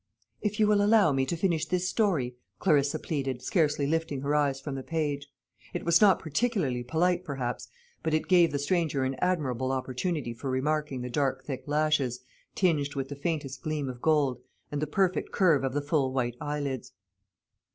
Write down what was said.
"If you will allow me to finish this story," Clarissa pleaded, scarcely lifting her eyes from the page. It was not particularly polite, perhaps, but it gave the stranger an admirable opportunity for remarking the dark thick lashes, tinged with the faintest gleam of gold, and the perfect curve of the full white eyelids.